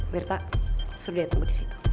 berita suruh dia tunggu di situ